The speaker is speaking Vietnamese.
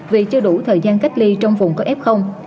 vì chưa đủ thời gian cách ly trong vùng có ép không